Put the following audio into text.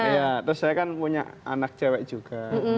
iya terus saya kan punya anak cewek juga